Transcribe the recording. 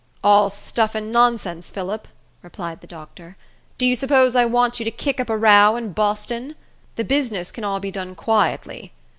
"All stuff and nonsense, Phillip!" replied the doctor. "Do you suppose I want you to kick up a row in Boston? The business can all be done quietly.